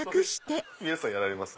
皆さんやられます。